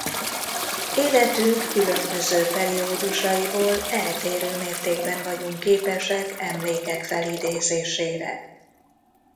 Életünk különböző periódusaiból eltérő mértékben vagyunk képesek emlékek felidézésére.